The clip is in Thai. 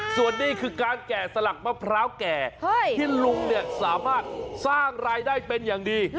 ส่วนนี้คือการแกะสลักมะพร้าวแก่ที่ลุงเนี่ยสามารถสร้างรายได้เป็นอย่างดี